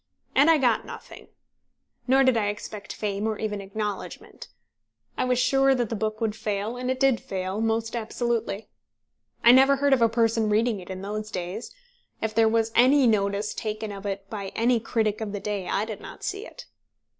And I got nothing. Nor did I expect fame, or even acknowledgment. I was sure that the book would fail, and it did fail most absolutely. I never heard of a person reading it in those days. If there was any notice taken of it by any critic of the day, I did not see it.